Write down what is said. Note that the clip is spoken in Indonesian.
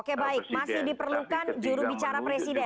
oke baik masih diperlukan jurubicara presiden